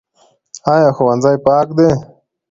ایا ښوونځی پاک دی؟